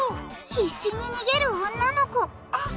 必死に逃げる女の子あっ！